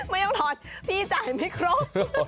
ไม่ต้องทอนพี่จ่ายไม่ครบ